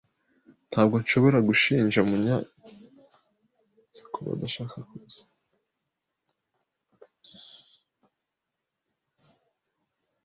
Ntabwo nshobora gushinja Munyanezkuba adashaka kuza.